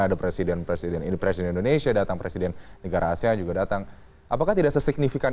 ada presiden presiden indonesia datang presiden negara asia juga datang apakah tidak sesignifikan